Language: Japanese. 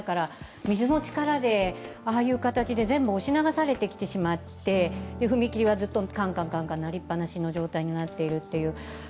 水の力でああいう形で全部押し流されてきてしまって踏切はずっとカンカン鳴りっぱなしの状態になっている。